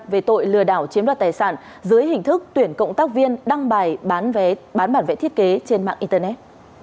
về tội lừa đảo chiếm đoạt tài sản dưới hình thức tuyển cộng tác viên đăng bài bán bản vẽ thiết kế trên mạng internet